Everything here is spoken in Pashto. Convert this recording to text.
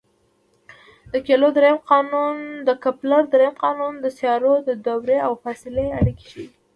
د کپلر درېیم قانون د سیارو د دورې او فاصلې اړیکې ښيي.